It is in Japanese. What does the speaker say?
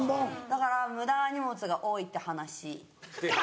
だから無駄な荷物が多いって話。